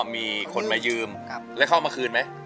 มีคนมายืมแล้วเขาเอามาคืนไหม